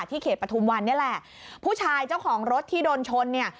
เขตปฐุมวันนี่แหละผู้ชายเจ้าของรถที่โดนชนเนี่ย